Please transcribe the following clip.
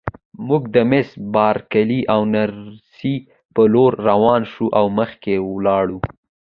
موږ د مس بارکلي او نرسې په لور ورروان شوو او مخکې ولاړو.